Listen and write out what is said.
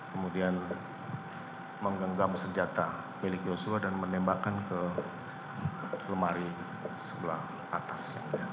kemudian menggenggam senjata milik joshua dan menembakkan ke lemari sebelah atas